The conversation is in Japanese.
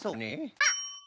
あっ！